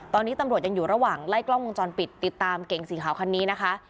ตอนนี้ตำรวจยังอยู่ระหว่างไล่กล้องวงจรปิดติดตามเก่งสีขาวคันนี้นะคะ